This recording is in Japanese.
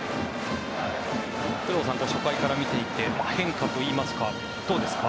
工藤さん、初回から見ていて変化といいますか、どうですか。